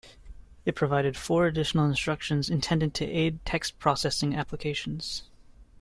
It provided four additional instructions intended to aid text processing applications.